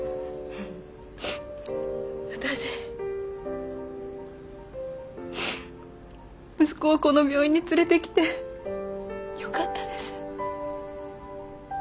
私息子をこの病院に連れてきてよかったです。